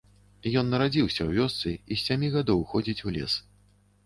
Ён нарадзіўся ў вёсцы і з сямі гадоў ходзіць у лес.